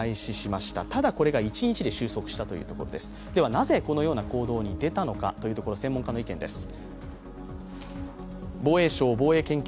なぜ、このような行動に出たのかというところ、専門家の意見です。